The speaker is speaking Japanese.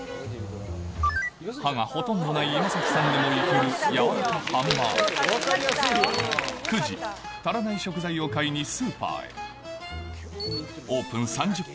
歯がほとんどない今崎さんでもイケる軟らかハンバーグ足らない食材を買いにスーパーへオープン３０分